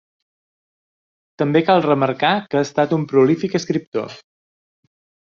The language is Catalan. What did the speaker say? També cal remarcar que ha estat un prolífic escriptor.